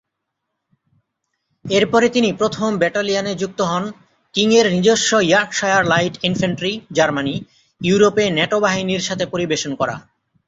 এরপরে তিনি প্রথম ব্যাটালিয়নে যুক্ত হন, কিং এর নিজস্ব ইয়র্কশায়ার লাইট ইনফ্যান্ট্রি, জার্মানি; ইউরোপে ন্যাটো বাহিনীর সাথে পরিবেশন করা।